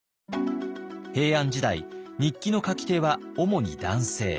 平安時代日記の書き手はおもに男性。